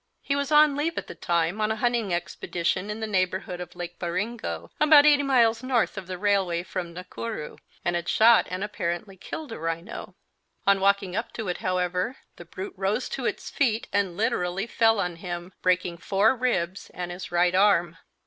He was on leave at the time on a hunting expedition in the neighbourhood of Lake Baringo, about eighty miles north of the railway from Nakuru, and had shot and apparently killed a rhino. On walking up to it, however, the brute rose to its feet and literally fell on him, breaking four ribs and his right arm.